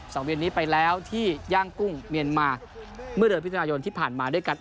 เวียนนี้ไปแล้วที่ย่างกุ้งเมียนมาเมื่อเดือนพิธนายนที่ผ่านมาด้วยกัน